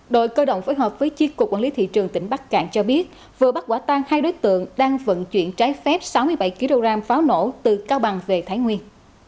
đội cơ động phối hợp với chiếc cục quản lý thị trường tỉnh bắc cạn cho biết vừa bắt quả tang hai đối tượng đang vận chuyển trái phép sáu mươi bảy kg pháo nổ từ cao bằng về thái nguyên